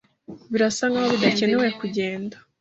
Birasa nkaho bidakenewe kugenda.